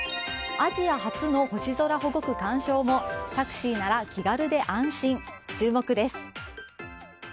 アジア初の星空保護区観賞もタクシーなら気軽で安心。